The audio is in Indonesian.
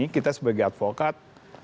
kita sebagai advokat